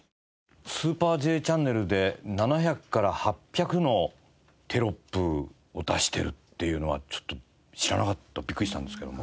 『スーパーＪチャンネル』で７００から８００のテロップを出してるっていうのはちょっと知らなかったびっくりしたんですけども。